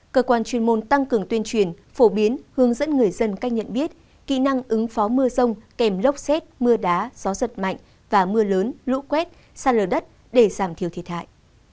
cơ quan chuyên môn tăng cường tuyên truyền phổ biến hướng dẫn người dân cách nhận biết kỹ năng ứng phó mưa rông kèm lốc xét mưa đá gió giật mạnh và mưa lớn lũ quét xa lở đất để giảm thiểu thiệt hại